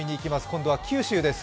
今度は九州です。